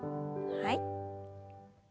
はい。